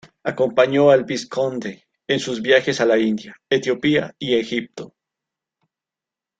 Acompañó al vizconde en sus viajes a la India, Etiopía y Egipto.